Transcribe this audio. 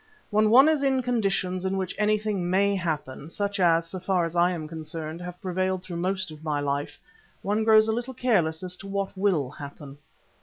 When one is in conditions in which anything may happen, such as, so far as I am concerned, have prevailed through most of my life, one grows a little careless as to what will happen.